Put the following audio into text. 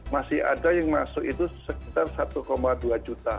masih ada yang masuk itu sekitar satu dua juta